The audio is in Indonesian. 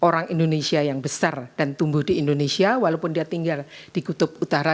orang indonesia yang besar dan tumbuh di indonesia walaupun dia tinggal di kutub utara